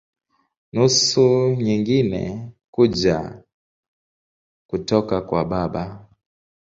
Nusu nyingine kuja kutoka kwa baba.